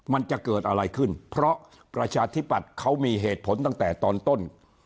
มันจะเกิดอะไรขึ้นเพราะประชาธิปัตย์เขามีเหตุผลตั้งแต่ตอนต้น